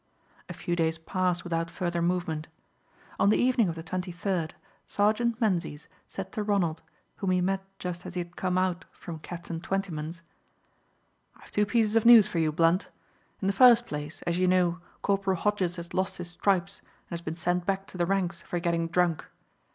A few days passed without further movement. On the evening of the 23rd, Sergeant Menzies said to Ronald, whom he met just as he had come out from Captain Twentyman's, "I have two pieces of news for you, Blunt. In the first place, as you know, Corporal Hodges has lost his stripes and has been sent back to the ranks for getting drunk.